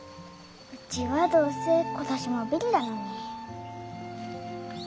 うちはどうせ今年もビリだのに。